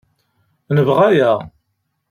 Nebɣa aya.